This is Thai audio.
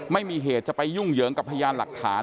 ไม่มีเหตุจะไปยุ่งเหยิงกับพยานหลักฐาน